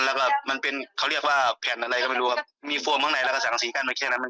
แล้วก็มันเป็นเขาเรียกว่าแผ่นอะไรก็ไม่รู้ว่ามีฟอร์มข้างในแล้วก็สังกะสีกั้น